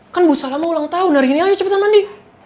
kan busa lama ulang tahun hari ini ayo cepetan mandi